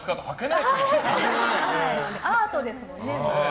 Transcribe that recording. アートですよね。